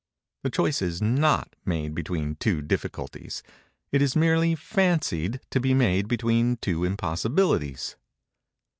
The choice is not made between two difficulties;—it is merely fancied to be made between two impossibilities.